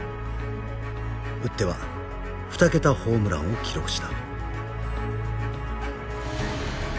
打っては２桁ホームランを記録した。